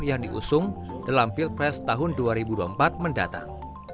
yang diusung dalam pilpres tahun dua ribu dua puluh empat mendatang